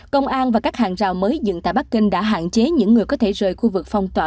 công an và các hàng rào mới dựng tại bắc kinh đã hạn chế những người có thể rời khu vực phong tỏa